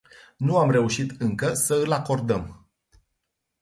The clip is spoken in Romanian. Nu am reușit încă să îl acordăm.